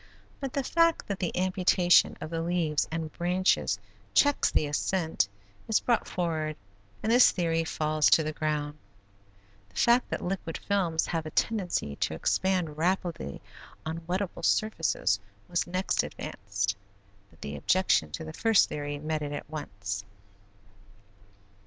But the fact that the amputation of the leaves and branches checks the ascent is brought forward and this theory falls to the ground. The fact that liquid films have a tendency to expand rapidly on wetable surfaces was next advanced, but the objection to the first theory met it at once.